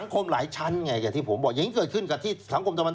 คุณชิคกี้พาย